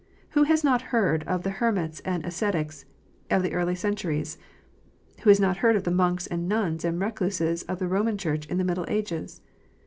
Who has not heard of the hermits and ascetics of the early centuries ? Who has not heard of the monks and nuns and recluses of the Romish Church in the middle ages